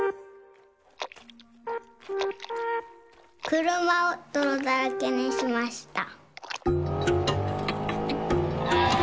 くるまをどろだらけにしました。